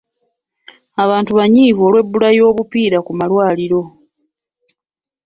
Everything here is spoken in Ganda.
Abantu banyiivu olw'ebbula ly'obupiira ku malwaliro.